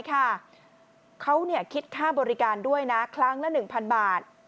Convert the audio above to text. เขาคิดค่าบริการด้วยนะครั้งละ๑๐๐บาท